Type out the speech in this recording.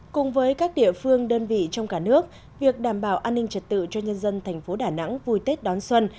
cùng với các địa phương đơn vị trong cả nước việc đảm bảo an ninh trật tự cho nhân dân thành phố đà nẵng vui tết đón xuân